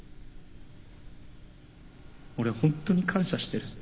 俺ホントに感謝してる。